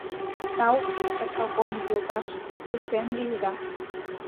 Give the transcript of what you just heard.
Тау, подполковник йолташ, эсен лийза.